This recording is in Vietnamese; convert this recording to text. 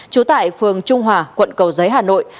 trú tại phường trung hòa quận cầu giấy hà nội